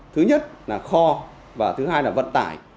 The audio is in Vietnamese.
thứ nhất là kho và thứ hai là vận tải